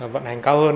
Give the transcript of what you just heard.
vận hành cao hơn